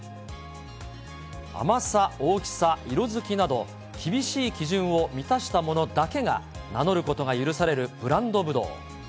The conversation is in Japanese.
甘さ、大きさ、色づきなど、厳しい基準を満たしたものだけが名乗ることが許されるブランドぶどう。